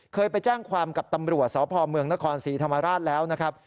เคยไปแจ้งความกับตำรวจสพเมืองนครศรีธรรมราชแล้วนะครับ